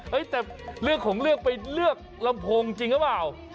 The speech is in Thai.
แต่เรื่องของเลือกไปเลือกลำโพงจริงหรือเปล่า